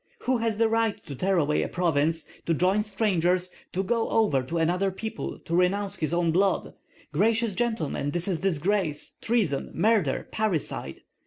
Who has the right to tear away a province, to join strangers, to go over to another people, to renounce his own blood? Gracious gentlemen, this is disgrace, treason, murder, parricide!